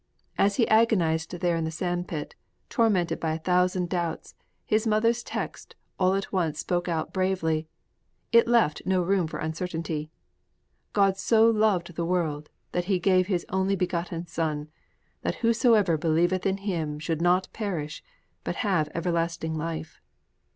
As he agonized there in the sand pit, tormented by a thousand doubts, his mother's text all at once spoke out bravely. It left no room for uncertainty. '_God so loved the world that He gave His only begotten Son that whosoever believeth in Him should not perish, but have everlasting life.